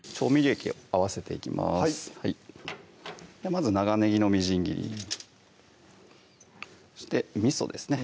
まず長ねぎのみじん切りそしてみそですね